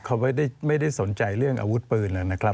เขาไม่ได้สนใจเรื่องอาวุธปืนนะครับ